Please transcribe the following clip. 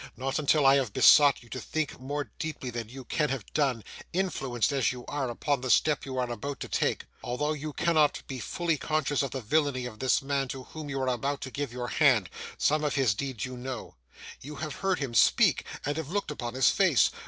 Not until I have besought you to think more deeply than you can have done, influenced as you are, upon the step you are about to take. Although you cannot be fully conscious of the villainy of this man to whom you are about to give your hand, some of his deeds you know. You have heard him speak, and have looked upon his face.